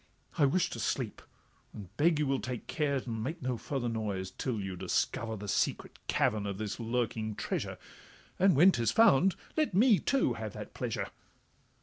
I wish to sleep, and beg you will take care And make no further noise, till you discover The secret cavern of this lurking treasure— And when 'tis found, let me, too, have that pleasure.